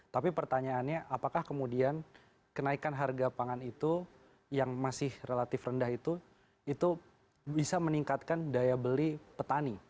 tapi pertanyaannya apakah kemudian kenaikan harga pangan itu yang masih relatif rendah itu itu bisa meningkatkan daya beli petani